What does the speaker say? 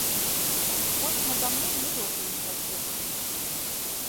Вось нада мной не лётаюць ракеты.